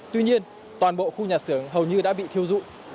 tuy nhiên toàn bộ khu nhà xưởng hầu như đã bị thiêu dụi